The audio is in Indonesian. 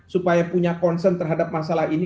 supaya punya concern terhadap masalah ini